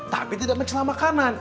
tapi tidak mencelamakanan